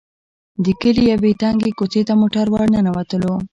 د کلي يوې تنګې کوڅې ته موټر ور ننوتلو.